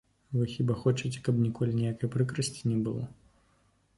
А вы хіба хочаце, каб ніколі ніякай прыкрасці не было?